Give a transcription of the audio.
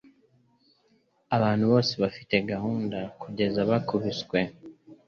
Abantu bose bafite gahunda… kugeza bakubiswe.”